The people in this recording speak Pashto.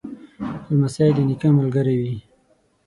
لمسی د نیکه ملګری وي.